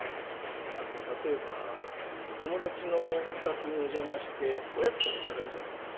あと例えば友達のお宅にお邪魔しておやつとかいただくじゃないですか。